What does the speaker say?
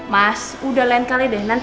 mas udah lain kali deh